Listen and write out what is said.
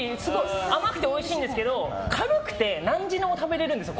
甘くておいしいんですけど軽くて何時でも食べられるんです。